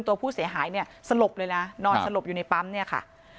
ตัวผู้เสียหายเนี่ยสลบเลยนะนอนสลบอยู่ในปั๊มเนี่ยค่ะ